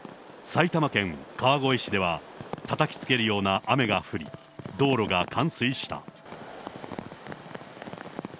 埼玉県川越市ではたたきつけるような雨が降り、道路が冠水した。